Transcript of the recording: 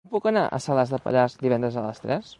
Com puc anar a Salàs de Pallars divendres a les tres?